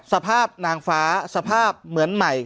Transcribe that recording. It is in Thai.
สภาพนางฟ้าสภาพเหมือนใหม่